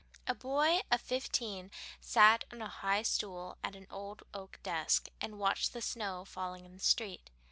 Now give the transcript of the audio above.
A boy of fifteen sat on a high stool at an old oak desk, and watched the snow falling in the street.